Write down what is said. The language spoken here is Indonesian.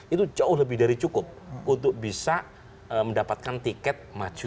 itu jauh lebih dari cukup untuk bisa mendapatkan tiket maju